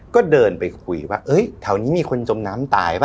ก็เดินไปคุยว่าแถวนี้มีคนจมน้ำตายป่